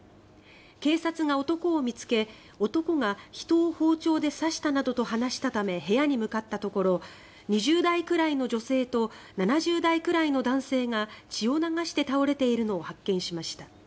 警察が男を見つけ男が人を包丁で刺したなどと話したため部屋に向かったところ２０代くらいの女性と７０代くらいの男性が血を流して倒れているのを発見しました。